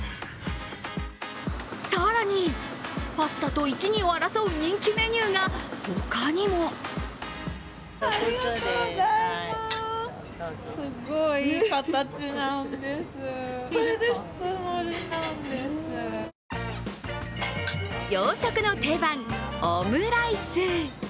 更に、パスタと１、２を争う人気メニューが他にも洋食の定番、オムライス。